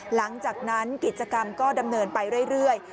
หลังจากนั้นกิจกรรมก็ดำเนินไปเรื่อย